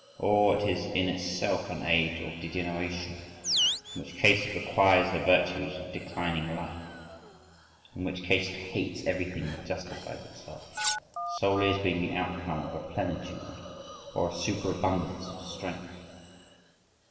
Or it is in itself an age of degeneration, in which case it requires the virtues of declining life,—in which case it hates everything that justifies itself, solely as being the outcome of a plenitude, or a superabundance of strength.